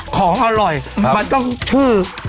ของอร่อยมันต้องชื่อ